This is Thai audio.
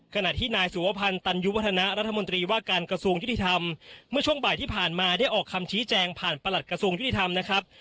ขณะที่นายสุวพันธ์ตันยุวัฒนะรัฐมนตรีว่าการกระทรวงยุติธรรมเมื่อช่วงบ่ายที่ผ่านมาได้ออกคำชี้แจงผ่านประหลัดกระทรวงยุติธรรมนะครับ